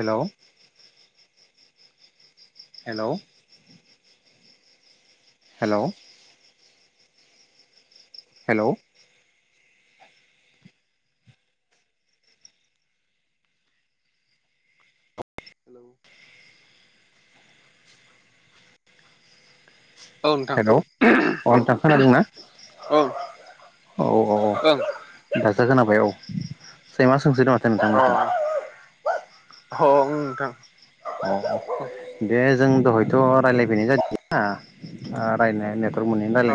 Hello hello hello hello hello औ नोंथां hello अ नोंथां खोनादोंना ओं औ औ औ ओं दासो खोनाबाय औ सैमा सोंसोदो नोंथां मोननिथिं। अह ओं नोंथां अ अ दे जों दहाय थ' रायज्लायफैनाय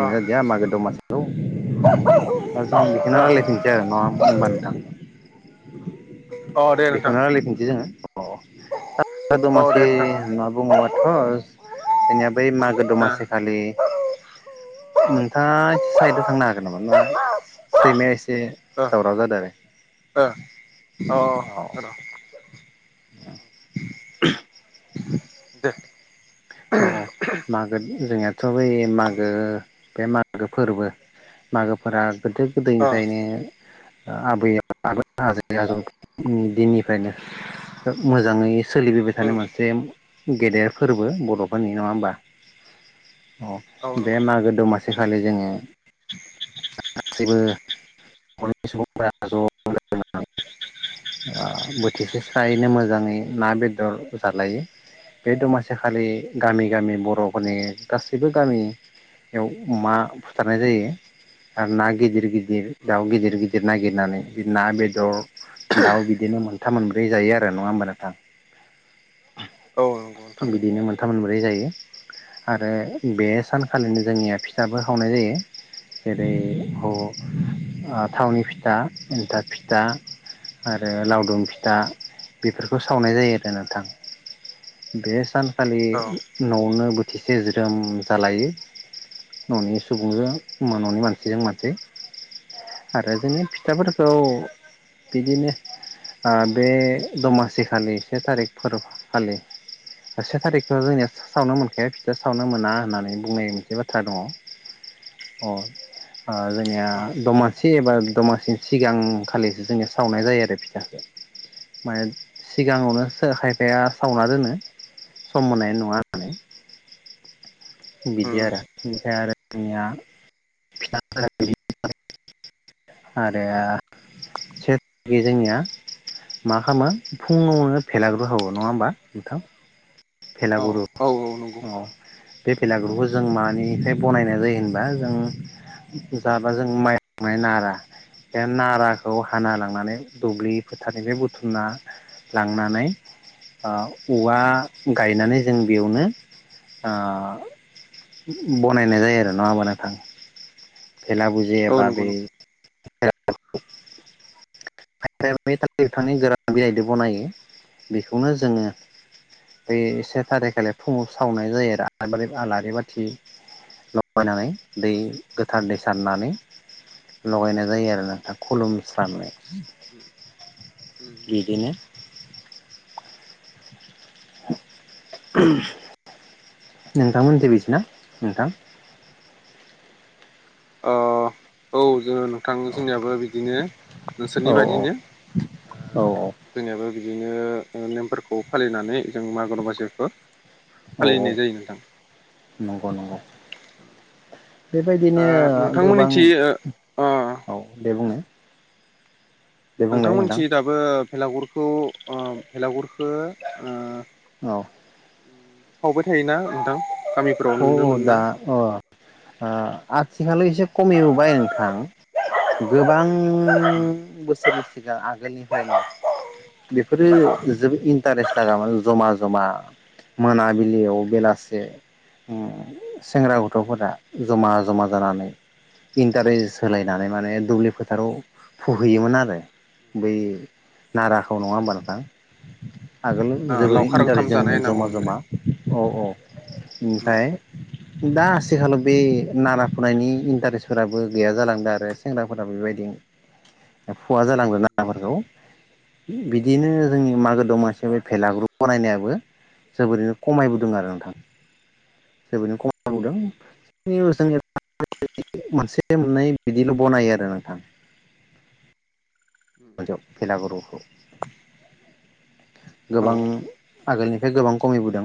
अ [unintelligible] जादिया मागो दमासि लौ दा जों बेखौनो अ रायलायफिनोसै आरो ना अ दे [unintelligible] नोंथां बेखौनो रायलायफिनसै जोङो अ औ सादमासि दे नोंथां होनना बुङोबा ओं ओ [unintelligible] बै मागो दमासि खालि नोंथाङा इसे साइदआव थांनो हागोन नामा नोंना सैमाया एसे दावराव जादों आरो ओ औ अ र' [unintelligible] दे औ औ मागो जोंनियाथ' बै मागो बे मागो फोरबो मागोफोरा गोदो अ गोदायनिफायनो ओ आबै आ आजै आजौ नि दिननिफ्रायनो मोजाङै सोलिबोबाय थानाय उम मोनसे गेदेर फोरबो बर' फोरनि नङा होमबा अ औ बे नंगौ मागो दमासि खालि जोङो गासैबो बरनि सुबुंफोरा ज' लोगो नांनानै बोथिसे स्रायनो मोजाङै ना बेदर जालायो बे दमासि खालि गामि गामि बर'फोरनि गासैबो गामियाव अमा बुथारनाय जायो। आरो ना गिदिर गिदिर उम दाउ गिदिर गिदिर नागिरनानै ना बेदर दाउ बिदिनो मोनथाम मोनब्रै जायो आरो नङा होमबा नोंथां औ नंगौ नोंथां बिदिनो मोनथाम मोनब्रै जायो आरो बे सानखालिनो जोंनिया फिथाबो खावनाय जायो। जेरै थावनि फिथा एन्थाब फिथा आरो लावदुम फिथा बेफोरखौ सावनाय जायो आरो नोंथां बे सानखालि औ न'आवनो बोथिसे ज्रोम जालायो न'नि सुबुंजों न'नि मानसिजों मानसि आरो जोंनि फिथाफोरखौ बिदिनो ओ बे दमासिखालि से थारिख फोरबो खालि से थारिखखौ जोंनिया सावनो मोनखाया फिथा सावनो मोना होननानै बुंनाय मोनसे बाथ्रा दङ अ ओ जोंनिया औ दमासि एबा दमासिनि सिगां खालिसो जोंनिया सावनाय जायो आरो फिथखो माने उम सिगाङावनो खायफाया सावना दोनो सम मोननाय नङा होननानै बिदि उम आरो ओमफ्राय आरो जोंनिया फिथाफोरा आरो [unintelligible] जोंनिया मा खालामो फुङावनो बेलागुर सावो नङा होमबा मोंथां औ औ नंगौ औ बे बेलागुरुखौ जों मानिफ्राय बनायनाय जायो होनबा जों जाबा जों माइ माइनारा बे नाराखौ हाना लांनानै दुब्लि फोथारनिफ्राय बुथुमना लांनानै ओ औवा गायनानै जों बेयावनो ओ बनायनाय जायो आरो नङा होनबा नोंथां औ नंगौ नंगौ [unintelligible] [unintelligible] गोरान बिलाइजों बनायो बेखौनो जोङो बै से तारिकखालि फुङाव सावनाय जायो आरो आलारि आलारि बाथि लगायनानै दै गोथार दै सारनानै लगायनाय जायो आरो नोंथां खुलुमस्रानाय। उम [inaudible] अ बिदिनो [unintelligible] नोंथांमोननिथिं बिदि ना नोंथां? अ औ उम नोंथां जोंनियाबो बिदिनो औ नोंसोरनि बादिनो औ जोंनियाबो बिदिनो नेमफोरखौ फालिनानै जों मागो दमासिखौ औ फालिनाय जायो नोंथां नंगौ नंगौ बेबायदिनो ओ गोबां ओ अ औ बे बुंनाय। नोंथांमोनथिं दाबो भेलागुरखौ ओ भेलागुरखौ ओ औ सावबाय थायोना नोंथां गामिफोराव अ नुनो अ मोनोना दा अ दा आथिखालै एसे खमिबोय नोंथां गोबां बोसोरनि सिगां आगोलनिफ्रायनो बेफोरो जोबोद इन्टारेस्ट लाामोन जमा जमा मोनाबिलियाव बेलासे अ सेंग्रा गथ'फोरा जमा जमा जानानै इन्टारेस्ट होलायनानै माने दुब्लि फोथाराव फुहैयोमोन आरो बै नाराखौ नङा होनबा नोंथां आगोल ओ जोबोरै लावखार ओंखाम इन्टारेस्ट जानाय जोङोमोन होनना जमा बुङो जमा बेलाय औ औ ओमफ्राय दा आथिखालाव बे नारा फुनायनि इन्टारेस्टफोराबो गैया जालांदों आरो सेंग्राफोराबो बेबायदि फुवा जालांदों ना राफोरखौ बिदिनो जोंनि मागो दमासि बे भेलागुर बानायनायाबो जोबोरैनो खमायबोदों आरो नोंथां जोबोरैनो [unintelligible] जों [inaudible] मोनसे मोननै बिदिल' बनायो आरो नोंथां [unintelligible] भेलागुरखौ औ गोबां आगोलनि बे गोबां खमिबोदों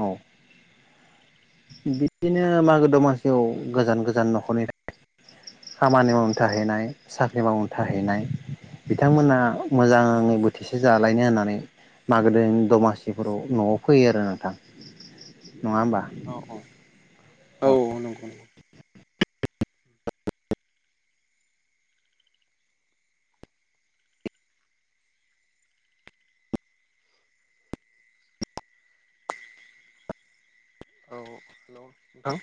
औ बिदिनो मागो दमासि औ गोजान गोजान न'खरनि थाखाय खामानि मावनो थाहैनाय साख्रि मावनो थाहैनाय बिथांमोना मोजाङै बोथिसे जालायनो होननानै मागो दमासि बेफोराव न'आव फैयो आरो नोंथां नङा होनबा औ औ नंगौ नंगौ औ हेल'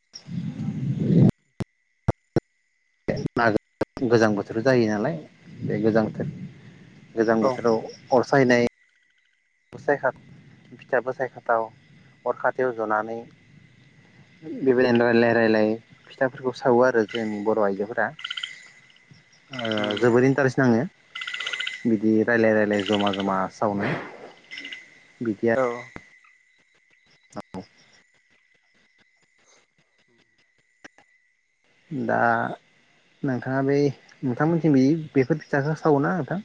[inaudible] [unintelligible] गोजां बोथोर जायो नालाय बे गोजां बोथोर गोजां औ बोथोराव अर सायनाय सायख' फिथा बसायथावथाव अर खाथियाव ज'नानै बेबायदिनो रायजलाय रायलाय फिथाफोरखौ सावो आरो जोंनि बर' आइजोफोरा जोबोर इन्टारेस्ट नाङो बिदि रायजलाय रायलाय जमा जमा सावनो। बिदिया औ औ दा नोंथाङा बै नोंथांमोनसिम बि बेफोर फिथाखौ सावो ना नोंथां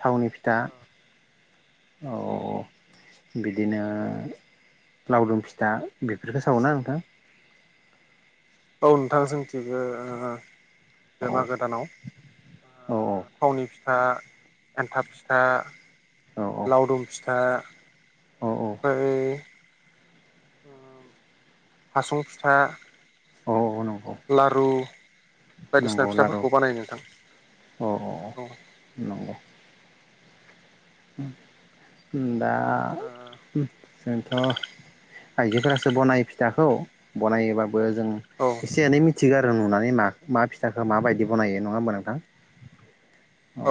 थावनि फिथा दा अ बिदिनो लावदुम फिथा बेफोरखौ सावोना नोंथां? औ नोंथां जोंथिंबो बे औ मागो दानाव औ थावनि फि ओ फिथा एन्थाब फिथा औ लावदुम फिथा औ औ ओमफ्राय हासुं फिथा औ नं लारु बायदिसिना लारु फिथाफोरखौ बानाय नोंथां औ नंगौ [inaudible] दा जोंथ' आइजोफोरासो बनायो फिथाखौ बना [unintelligible] बा बो जों औ एसे एनै मि थिग आरो नुनानै मा मा फिथाखौ माबायदि बनायो नङा होमबा नोंथां औ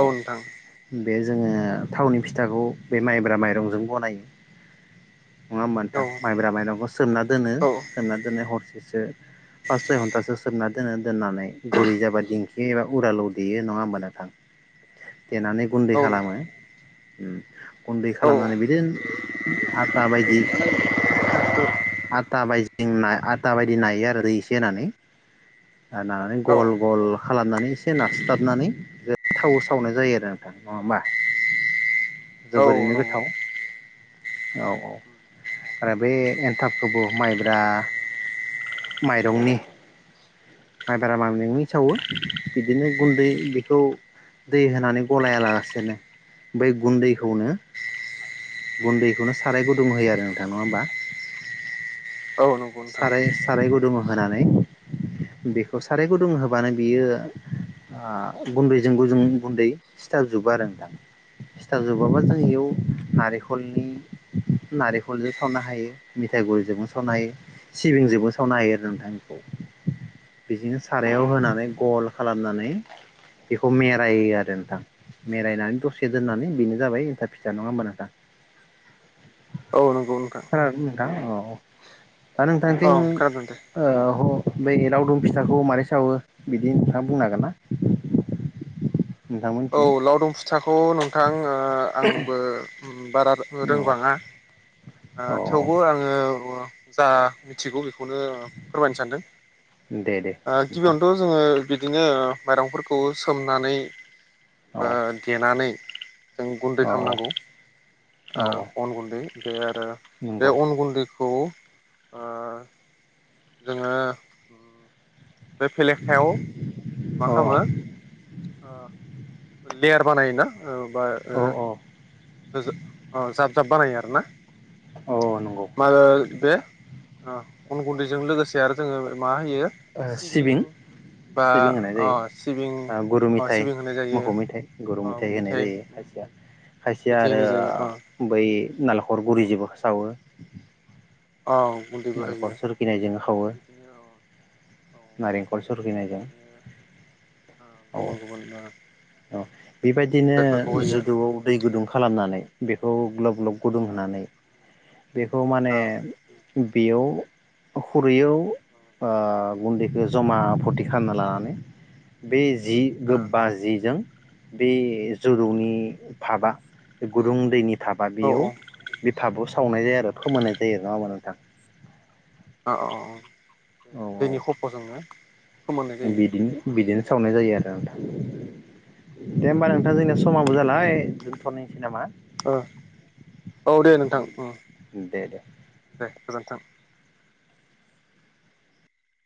बे जोङो थावनि फिथाखौ बे माइब्रा माइरंजों बनायो नङा होमबा औ नोंथां माइब्रा माइरंखौ सोमना दोनो औ सोमना दोननाय हरसेसो पास सय घन्टासो सोमना दोनो दोननानै गुरि जाबा दिंखि एबा उरालाव देयो नङा होमबा नोंथां देनानै गुन्दै औ खालामो नोंथां उ गुन्दै औ खालामनानै बिदि आता बायदि आटा बायदि आटा बायदि नायो आरो दै एसे होनानै आरो नानानै औ गल गल खालामनानै एसे नास्लााबनानै थाव सावनाय जायो आरो नोंथां नङा हबा औ जोबोरैनो नंगौ गोथाव औ औ आरो बे एन्थाब गोबाव माइब्रा माइरंनि माइब्रा माइरंनि सावो बिदिनो गुन्दै बेखौ दै होनानै गलाया लासेनोै बै गुन्दैखौनो गुन्दैखौनो साराय गुदुं होयो आरो नोंथां नङा होमबा। औ नंगौ नोंथां साराय साराय गुदुं होनानै बेखौ साराय गुदुं होबानो बियो ओ गुन्दैजों गुजुं गुन्दै सिथारजोबो आरो नोथां सिथाब जोबाबा जों नोथां बेयाव नारेंखलनि नारेंखलजों सावनो हायो मिथाय गुरिजोंबो सावनो हायो सिबिंजोंबो सावनो हायो आरो नोंथां बेखौ बिदिनो सारायाव होनानै गल खालामनानै बेखौ मेरायो आरो नोंथां मेरायनानै दसे दोननानै बेनो जाबाय एनथाब फिथा नङा होमबा नोंथां औ नंगौ नोंथां नोंथां औ खोनादो‌ं नोंथां औ [unintelligible] औ जोंनिथिं खोनादों दे ओ अ बै लावदुम फिथाखौ मारै सावो बिदि नोंथाङा बुंनो हागोन ना? नोंथांमोन औ लावदुम फिथाखौ नोंथां ओ आंबो बारा ओ औ रोंबाङा औ थेवबो आङो जा मिथिगौ बेखौनो फोरमायनो सानदों। दे दे ओ नोंथां गिबियावनोथ' जोङो बिदिनो माइरंफोरखौ सोमनानै ओ औ देनानै जों गुन्दै औ खालामनांगौ औ औ ओ अन गुन्दै दे आरो नंगौ बे अन गुन्दैखौ ओ जोङो बे फेलेखायाव मा औ खालामो ओ लेयार बानायो ना ओ बा औ ओ औ होजो अ जाफ जाफ बानायो आरोना। औ नंगौ नोंथां। माबे बे ओ अन गुन्दैजों लोगोसे आरो जोङो मा अ सिबिं बा सिबिं होनाय अ सिबिं जायो गुरु अ मेथाइ सिबिं होनाय जायो मोसौ मेथाइ गुरु अ मेथाइ होनाय मिथाइ जायो खायसेया खायसे इया मिथाइ आरो होनाय जायो अ बै ओ नालेंखर गुरि जोबो सावो। औ गुन्दै बो होयो नालेंखर सरखिनायजों खावो अ अ नारेंखल सरखिनायजों गुबुन गुबुन अ ओ ओ बेबायदिनो जिरादफोरखौ होयो जुदुआव दै गुदुं खालामनानै बेखौ ग्लब ग्लब गुदुं औ होनानै बेखौ माने औ बेयाव खुरैयाव ओ गुन्दैखौ जमा फथि खालामना लानानै बे जि ओ औ गोबा जि जों बे जौदौनि फाब गुरुं [unintelligible] थाबा औ बेयाव बिफाबाव सावनाय जायो आरो फोमोननाय जायो। नङा होनबा नोंथां थां अ अ अ दैनि खफ' जोंनो बिदिनो बिदिनो सावनाय जायो आरो दे होमबा नोंथां जोंनिया समावाबो जाला बाइ दोनथ'निसै नामा ओ औ दे नोंथां ओ दे दे दे गोजोनथों।